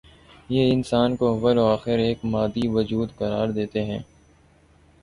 یہ انسان کو اوّ ل و آخر ایک مادی وجود قرار دیتے ہیں۔